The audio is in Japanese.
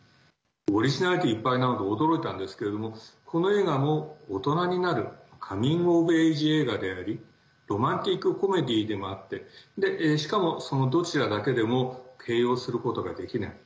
オリジナリティーいっぱいなので驚いたんですけれどもこの映画も大人になるカミング・オブ・エイジ映画でありロマンティック・コメディでもあってしかも、そのどちらだけでも形容することができない。